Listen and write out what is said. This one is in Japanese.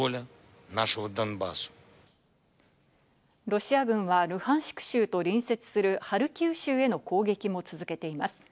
ロシア軍はルハンシク州と隣接するハルキウ州への攻撃も続けています。